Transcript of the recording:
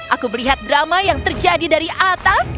aku melihat drama yang terjadi dari atas